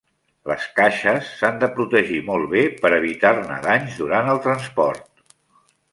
Les caixes s'han de protegir molt bé per evitar-ne danys durant el transport.